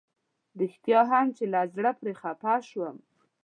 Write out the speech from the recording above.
رښتيا هم چې له زړه پرې خفه شوم.